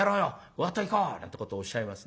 ワッといこう」なんてことをおっしゃいますね。